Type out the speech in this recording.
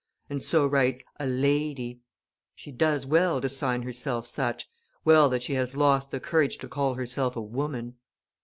And so writes "A Lady;" she does well to sign herself such, well that she has lost the courage to call herself a woman!